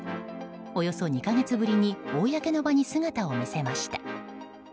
およそ２か月ぶりに公の場に姿を見せました。